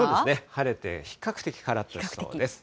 晴れて比較的からっとしそうです。